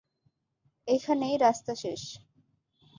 এখানেই রাস্তা শেষ।